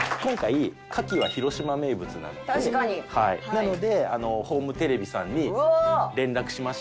なのでホームテレビさんに連絡しまして。